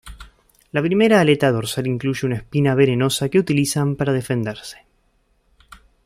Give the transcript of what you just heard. La primera aleta dorsal incluye una espina venenosa que utilizan para defenderse.